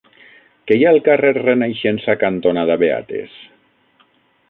Què hi ha al carrer Renaixença cantonada Beates?